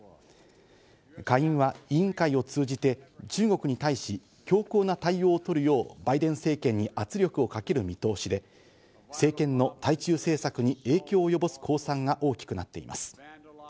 下院は委員会を通じて中国に対し、強硬な対応を取るようバイデン政権に圧力をかける見通しで、政権の対中政策に影響を及ぼす公算が大きくなっています。